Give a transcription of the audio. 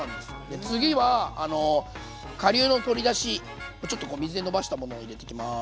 で次は顆粒の鶏だしちょっとこう水でのばしたものを入れていきます。